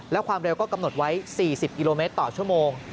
และความเร็วก็กำหนดไว้๔๐กิโลเมตรต่อชั่วโมง